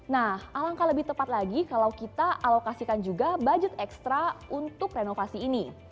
nah alangkah lebih tepat lagi kalau kita alokasikan juga budget ekstra untuk renovasi ini